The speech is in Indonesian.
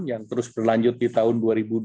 yang terus berlanjut di tahun dua ribu dua puluh